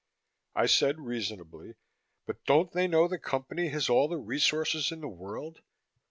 I said reasonably, "But don't they know the Company has all the resources in the world?"